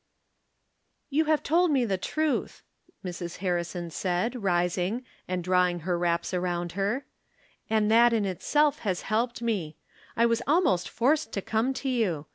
" You have told me the truth," Mrs. Harrison said, rising, and drawing her wraps around her, " and that in itself has helped me. I was almost forced to come to you.